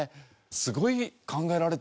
すごい考えられてんだな。